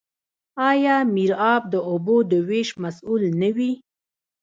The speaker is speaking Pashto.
آیا میرآب د اوبو د ویش مسوول نه وي؟